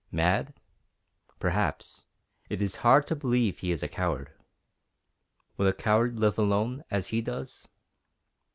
Mad? Perhaps. It is hard to believe he is a coward. Would a coward live alone, as he does?